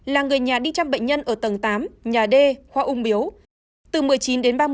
là người nhà đi chăm bệnh nhân ở tầng tám nhà d khoa ung biếu từ một mươi chín đến ba mươi